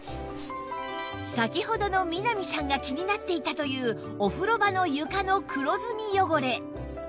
先ほどの南さんが気になっていたというお風呂場の床の黒ずみ汚れ